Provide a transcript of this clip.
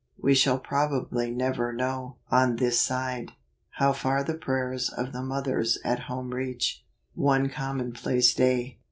We shall probably never know, on this side, how far the prayers of the mothers at home reach. One Commonplace Day.